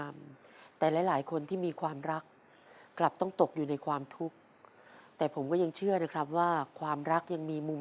ก็คิดว่ากับคุณครับ